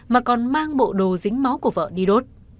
mà còn mang bộ đồ dính máu của vợ đi đốt